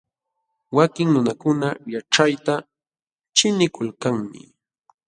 Wakin nunakuna yaćhayta ćhiqnikulkanmi.